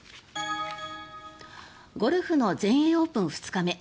ゴルフの全英オープン２日目。